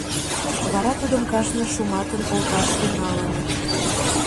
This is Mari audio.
Вара тудым кажне шуматын олташ тӱҥалыныт.